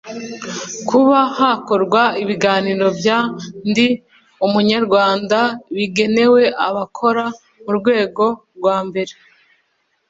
kuba hakorwa ibiganiro bya ndi umunyarwanda bigenewe abakora mu rwego rwambere